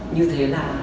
như thế là